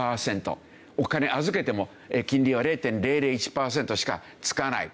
お金預けても金利は０．００１パーセントしか付かない。